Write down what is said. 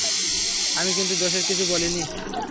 আমি কিন্তু দোষের কিছু বলি নি।